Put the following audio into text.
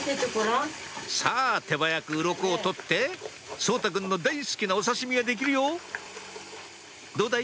さぁ手早くうろこを取って颯太くんの大好きなお刺身ができるよどうだい？